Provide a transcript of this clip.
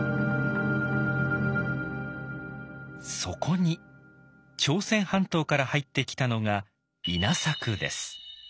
そこに朝鮮半島から入ってきたのが稲作です。